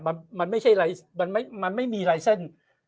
มันมันไม่ใช่อะไรมันไม่มันไม่มีไรเส้น